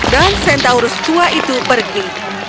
dan centaurus tua itu pergi